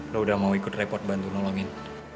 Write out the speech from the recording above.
lo udah mau ikut repot bantu nolongin